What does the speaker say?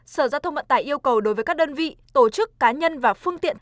sở giao thông vận tải yêu cầu đối với các đơn vị tổ chức cá nhân và phương tiện